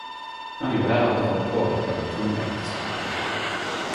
Kan jo vera at du vart påverka av det tomme ekteskapet..